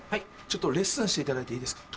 ちょっとレッスンしていただいていいですか？